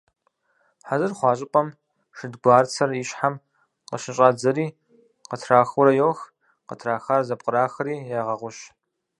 Хьэзыр хъуа щӀыпӀэм шэдгуарцэр и щхьэм къыщыщӏадзэри къытрахыурэ йох, къытрахар зэпкърахри ягъэгъущ.